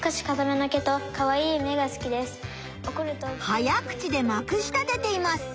早口でまくしたてています。